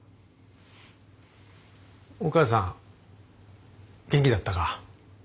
お母さん元気だったか？